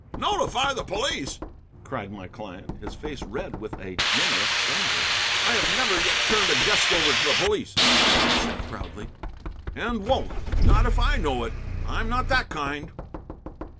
"Notify the police!" cried my client, his face red with a generous anger. "I have never yet turned a guest over to the police," he said proudly, "and won't, not if I know it. I'm not that kind."